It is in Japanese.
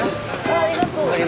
あありがとう。